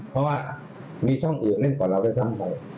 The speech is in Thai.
เพราะว่ามีช่องอื่นเล่นกว่าเราด้วยซ้ำไป